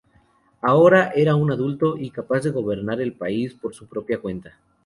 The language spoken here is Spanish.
Ahora era un adulto y capaz de gobernar el país por su propia cuenta.